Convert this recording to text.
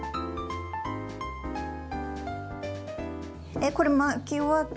えっこれ巻き終わったら。